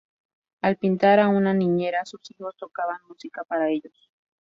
Al pintar a una niñera, sus hijos tocaban música para ellos.